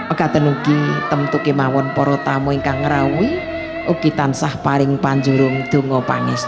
agaten uki temtukimawan porotamu ingkang rawi uki tan sah paring panjurung tunggu pangis